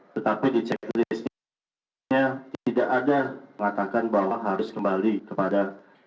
tetapi di checklistnya tidak ada mengatakan bahwa harus kembali kepada